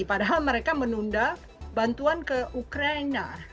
padahal mereka menunda bantuan ke ukraina